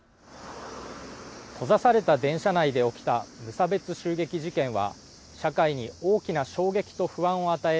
閉ざされた電車内で起きた無差別襲撃事件は社会に大きな衝撃と不安を与え